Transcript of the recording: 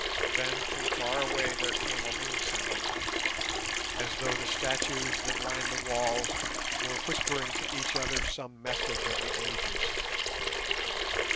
Then from far away there came a little sound as though the statues that lined the walls were whispering to each other some message of the ages.